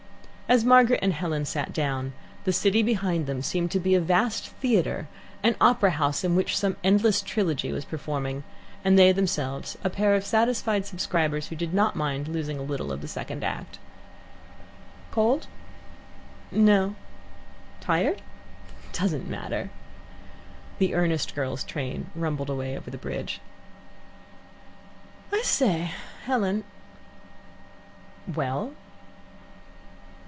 As Margaret and Helen sat down, the city behind them seemed to be a vast theatre, an opera house in which some endless trilogy was performing, and they themselves a pair of satisfied subscribers, who did not mind losing a little of the second act. "Cold?" "No." "Tired?" "Doesn't matter." The earnest girl's train rumbled away over the bridge. "I say, Helen " "Well?"